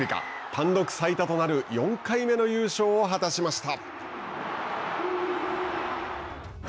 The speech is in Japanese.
単独最多となる４回目の優勝を果たしました。